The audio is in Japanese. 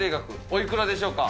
おいくらでしょうか？